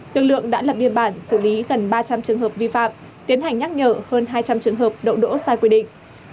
tương lượng đã lập biên bản xử lý gần ba trăm linh trường hợp vi phạm tiến hành nhắc nhở hơn hai trăm linh trường hợp đậu đỗ sai quy định